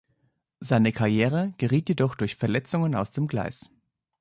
Seine Karriere geriet jedoch durch Verletzungen aus dem Gleis.